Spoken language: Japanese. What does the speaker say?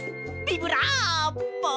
ビブラーボ！